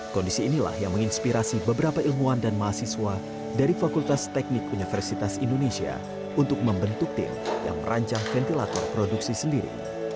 kondisi inilah yang menginspirasi beberapa ilmuwan dan mahasiswa dari fakultas teknik universitas indonesia untuk membentuk tim yang merancang ventilator produksi sendiri